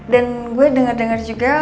dan gue denger dengar juga